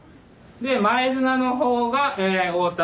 で前綱の方が太田。